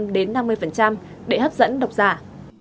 để hấp dẫn đọc giả